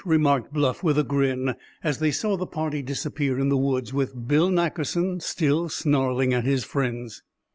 remarked Bluff, with a grin, as they saw the party disappear in the woods, with Bill Nackerson still snarling at his friends.